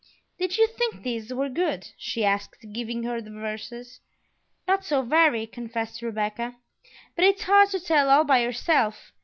"Did you think these were good?" she asked, giving her the verses. "Not so very," confessed Rebecca; "but it's hard to tell all by yourself.